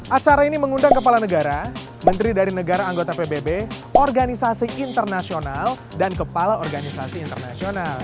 acara ini mengundang kepala negara menteri dari negara anggota pbb organisasi internasional dan kepala organisasi internasional